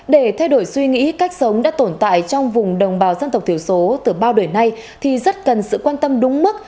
để thay đổi suy nghĩ cách sống đã tồn tại trong vùng đồng bào dân tộc thiểu số từ bao đời nay thì rất cần sự quan tâm đúng mức